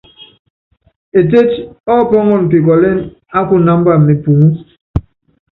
Etéti ɔ́pɔ́ŋɔn pikɔlɛ́n á kunamba mepuŋú.